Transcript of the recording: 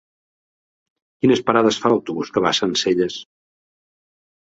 Quines parades fa l'autobús que va a Sencelles?